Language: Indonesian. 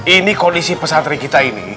ini kondisi pesantren kita ini